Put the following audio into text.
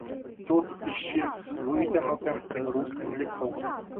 Тот исчез с вытянутым и грустным лицом.